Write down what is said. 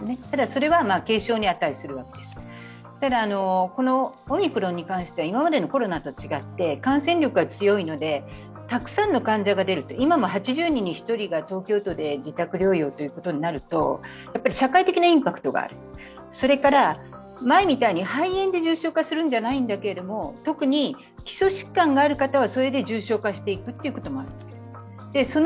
ただ、それは軽症に値するわけですただ、オミクロンに関して今までのコロナとちがって感染力が強いので、たくさんの患者が出る今も８０人に１人が東京都で自宅療養ということになると社会的なインパクトがあるそれから前みたいに肺炎で重症化するんじゃないんだけれども、特に基礎疾患がある方はそれで重症化していくということもある。